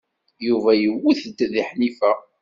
Yuba iwet-d deg Ḥnifa.